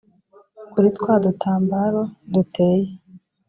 kuri twa dutambaro duteye